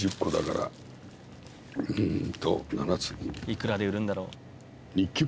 いくらで売るんだろう？